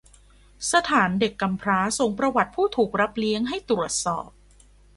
สถานเด็กกำพร้าส่งประวัติผู้ถูกรับเลี้ยงให้ตรวจสอบ